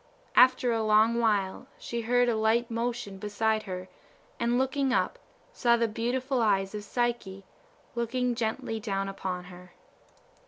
After a long while she heard a light motion beside her, and looking up, saw the beautiful eyes of Psyche, looking gently down upon her.